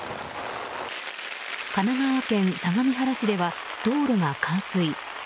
神奈川県相模原市では道路が冠水。